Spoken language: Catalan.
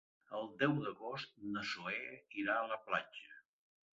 El deu d'agost na Zoè irà a la platja.